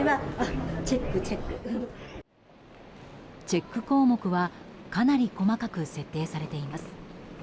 チェック項目はかなり細かく設定されています。